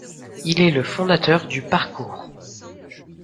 Il est le fondateur du parkour.